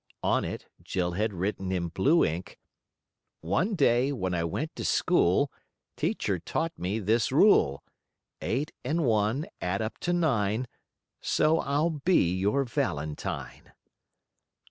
On it Jill had written in blue ink: "One day when I went to school, Teacher taught to me this rule: Eight and one add up to nine; So I'll be your valentine."